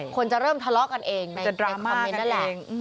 คนจะเริ่มทะเลาะกันเองในคอมเมนต์นั่นแหละ